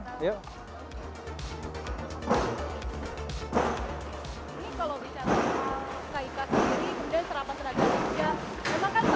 ini kalau di catatan kaikat sendiri kemudian serapan seragam juga